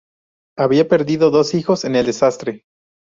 Había perdido dos hijos en el desastre.